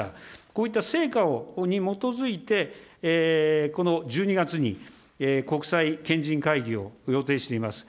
こういった成果に基づいて、この１２月に国際賢人会議を予定しています。